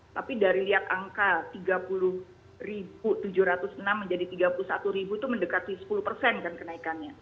tapi dari lihat angka tiga puluh tujuh ratus enam menjadi tiga puluh satu itu mendekati sepuluh persen kan kenaikannya